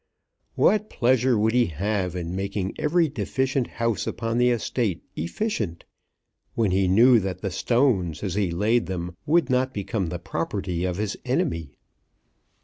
What pleasure would he have in making every deficient house upon the estate efficient, when he knew that the stones as he laid them would not become the property of his enemy.